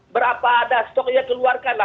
berapa ada stok ya keluarkanlah